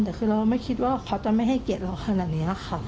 แต่คือเราไม่คิดว่าเขาจะไม่ให้เกียรติเราขนาดนี้ค่ะ